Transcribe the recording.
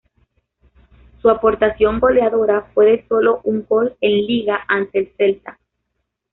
Su aportación goleadora fue de sólo un gol en liga ante el Celta.